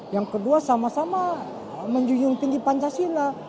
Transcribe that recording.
yang kedua sama sama menjunjung tinggi pancasila